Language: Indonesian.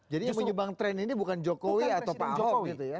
jadi yang menyebang tren ini bukan jokowi atau pak hock gitu ya